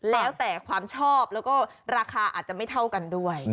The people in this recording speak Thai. แล้วแต่ความชอบแล้วก็ราคาอาจจะไม่เท่ากันด้วย